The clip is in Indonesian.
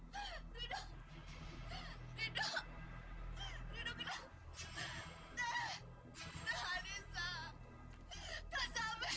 bagaimana kamu memberitahu tujuannya orang